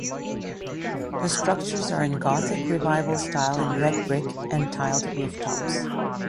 The structures are in Gothic Revival style in red brick and tiled rooftops.